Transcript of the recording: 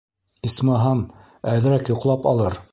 Исмаһам, әҙерәк йоҡлап алыр.